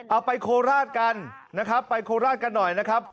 เอาไปโคราชกันนะครับไปโคราชกันหน่อยนะครับ